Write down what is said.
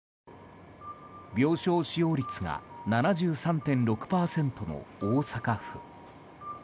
病床使用率が７３．６％の大阪府。